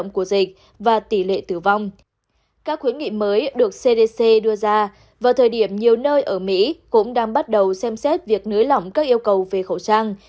các khuyến nghị mới được cdc đưa ra vào thời điểm nhiều nơi ở mỹ cũng đang bắt đầu xem xét việc nới lỏng các yêu cầu về khẩu trang